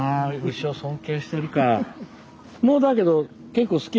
牛を尊敬してるか。